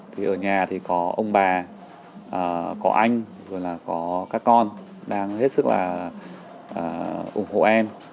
thì ở nhà thì có ông bà có anh rồi là có các con đang hết sức là ủng hộ em